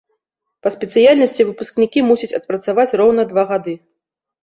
Па спецыяльнасці выпускнікі мусяць адпрацаваць роўна два гады.